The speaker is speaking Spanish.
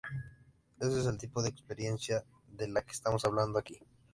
Ese es el tipo de experiencia de la que estamos hablando aquí.